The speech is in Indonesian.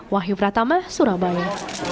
wahyu pratama surabaya